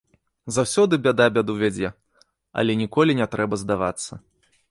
Заўсёды бяда бяду вядзе, але ніколі не трэба здавацца.